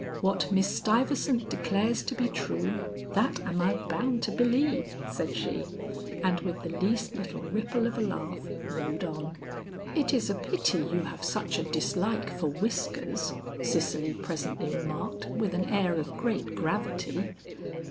"What Miss Stuyvesant declares to be true, that am I bound to believe," said she, and with the least little ripple of a laugh, rode on. "It is a pity you have such a dislike for whiskers," Cicely presently remarked with an air of great gravity.